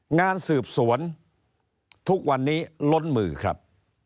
งานสืบสวนทุกวันนี้ล้นมือครับ